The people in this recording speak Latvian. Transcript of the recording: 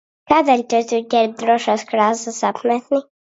Kādēļ tad tu ģērb drošās krāsas apmetni?